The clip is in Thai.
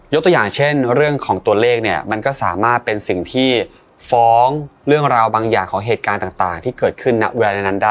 ตัวอย่างเช่นเรื่องของตัวเลขเนี่ยมันก็สามารถเป็นสิ่งที่ฟ้องเรื่องราวบางอย่างของเหตุการณ์ต่างที่เกิดขึ้นณเวลานั้นได้